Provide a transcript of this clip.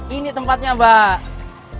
ini tempatnya mbak